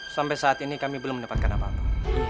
sampai saat ini kami belum mendapatkan apa apa